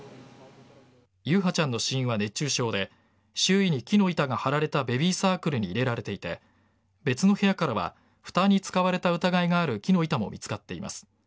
優陽ちゃんの死因は熱中症で周囲に木の板が張られたベビーサークルに入れられていて別の部屋からはふたに使われた疑いがある木の板も見つかっています。